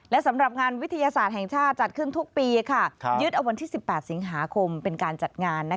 และสำหรับงานวิทยาศาสตร์แห่งชาติจัดขึ้นทุกปียึดเอาวันที่๑๘สิงหาคมเป็นการจัดงาน